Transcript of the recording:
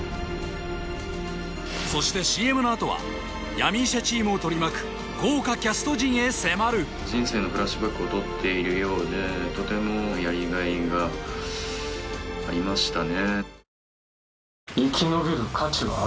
そしてＣＭのあとは闇医者チームを取り巻く豪華キャスト陣へ迫る人生のフラッシュバックをとっているようでとてもやりがいがありましたね